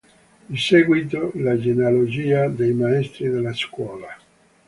Di seguito la genealogia dei maestri della scuola.